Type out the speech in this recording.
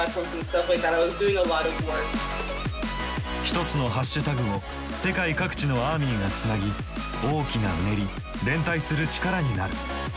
一つのハッシュタグを世界各地のアーミーがつなぎ大きなうねり連帯する力になる。